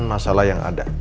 masalah yang ada